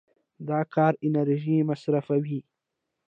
د کار انرژي مصرفوي.